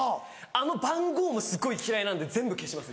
あの番号もすごい嫌いなんで全部消します